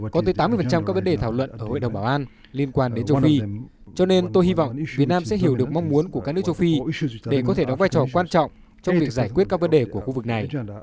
có tới tám mươi các vấn đề thảo luận ở hội đồng bảo an liên quan đến châu phi cho nên tôi hy vọng việt nam sẽ hiểu được mong muốn của các nước châu phi để có thể đóng vai trò quan trọng trong việc giải quyết các vấn đề của khu vực này